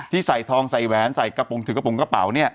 ที่ใส่ทองใส่แวนใส่กระป๋องถือกระป๋องกระเป๋าเนี่ย